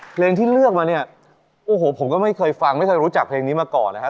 เพลงที่เลือกมาเนี่ยโอ้โหผมก็ไม่เคยฟังไม่เคยรู้จักเพลงนี้มาก่อนนะครับ